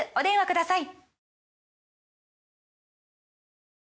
ください